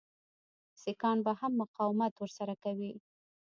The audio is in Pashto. سیکهان به هم مقاومت ورسره کوي.